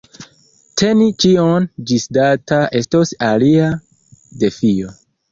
Teni ĉion ĝisdata estos alia defio.